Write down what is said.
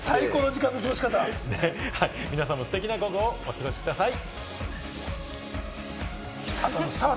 皆さんもステキな午後をお過ごしください。